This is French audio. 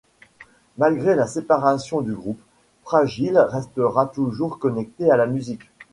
Malgré la séparation du groupe, Frágil restera toujours connecté à la musique.